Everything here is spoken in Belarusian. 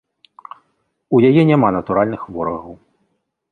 У яе няма натуральных ворагаў.